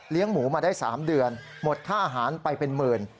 หมูมาได้๓เดือนหมดค่าอาหารไปเป็นหมื่น